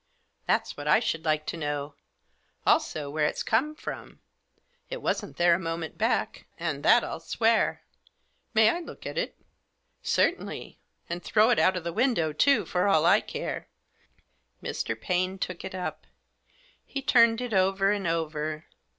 " That's what I should like to know ; also where it's come from ; it wasn't there a moment back, and that 111 swear." "May I look at it?" " Certainly ; and throw it out of the window too, for all I care." Mr. Paine took it up. He turned it over and over.